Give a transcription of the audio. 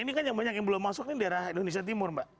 ini kan yang banyak yang belum masuk ini daerah indonesia timur mbak